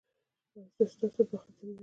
ایا ستاسو تعصب به ختم نه وي؟